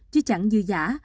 chứ chẳng như giả